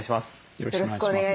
よろしくお願いします。